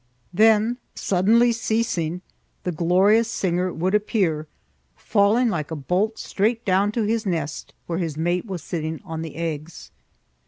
Then, suddenly ceasing, the glorious singer would appear, falling like a bolt straight down to his nest, where his mate was sitting on the eggs.